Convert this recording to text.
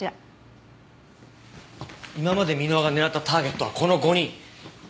今まで箕輪が狙ったターゲットはこの５人。